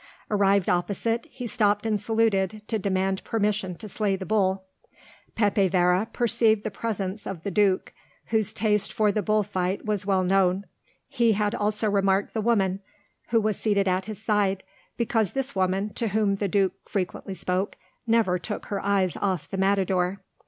Arrived opposite, he stopped and saluted, to demand permission to slay the bull. Pepe Vera perceived the presence of the Duke, whose taste for the bull fight was well known; he had also remarked the woman who was seated at his side, because this woman, to whom the Duke frequently spoke, never took her eyes off the matador.